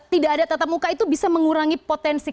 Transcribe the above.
tidak ada tatap muka itu bisa mengurangi potensi